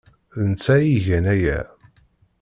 D netta ay igan aya.